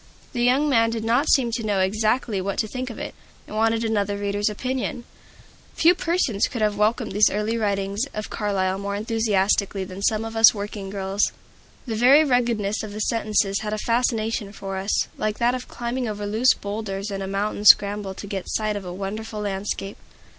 The young man did not seem to know exactly what to think of it, and wanted another reader's opinion. Few persons could have welcomed those early writings of Carlyle more enthusiastically than some of us working girls did. The very ruggedness of the sentences had a fascination for us, like that of climbing over loose bowlders in a mountain scramble to get sight of a wonderful landscape.